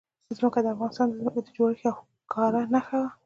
ځمکه د افغانستان د ځمکې د جوړښت یوه ښکاره نښه ده.